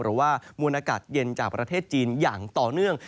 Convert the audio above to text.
หรือว่ามวลอากาศเย็นจากประเทศจีนอย่างต่อเนื่อง